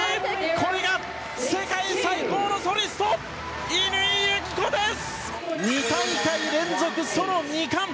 これが世界最高のソリスト乾友紀子です！